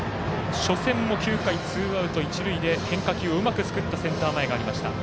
初戦も９回、ツーアウト、一塁で変化球をうまくすくったセンター前がありました。